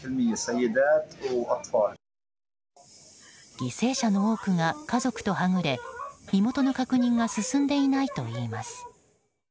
犠牲者の多くが家族とはぐれ身元の確認が進んでいないといいます。